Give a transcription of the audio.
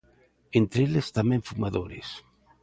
Entre eles, tamén fumadores.